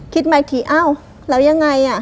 คิดมาอีกทีอ้าวแล้วยังไง